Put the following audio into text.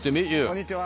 こんにちは。